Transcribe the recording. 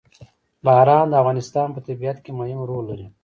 باران د افغانستان په طبیعت کې مهم رول لري.